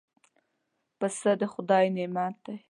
پسه د خدای نعمت دی.